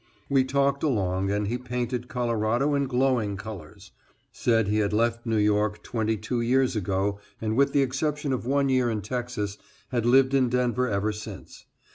We talked along, and he painted Colorado in glowing colors said he had left New York twenty two years ago, and with the exception of one year in Texas, had lived in Denver ever since.